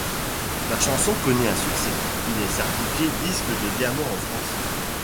La chanson connait un succès, il est certifié disque de diamant en France.